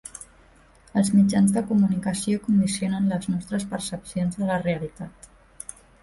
Els mitjans de comunicació condicionen les nostres percepcions de la realitat.